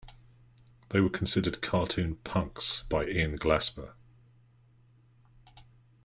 They were considered "cartoon punks" by Ian Glasper.